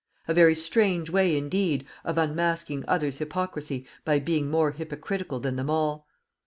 A very strange way, indeed, of unmasking others' hypocrisy by being more hypocritical than them all.